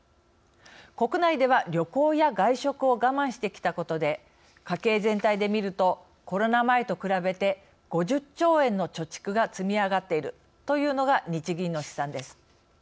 国内では旅行や外食を我慢してきたことで家計全体で見るとコロナ前と比べて５０兆円の貯蓄が積み上がっているというのが日銀の試算です。